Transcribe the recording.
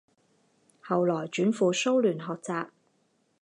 后来转赴苏联学习。